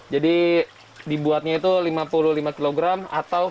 jadi dibuatnya itu lima puluh lima kilogram atau lima puluh gram